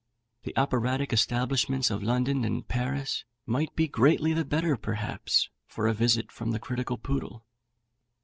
The operatic establishments of London and Paris might be greatly the better, perhaps, for a visit from the critical Poodle.